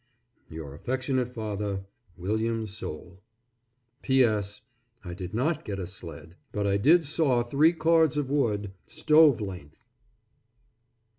Your affectionate father, WILLIAM SOULE. P. S. I did not get a sled; but I did saw three cords of wood, stove length.